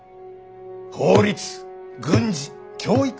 法律軍事教育。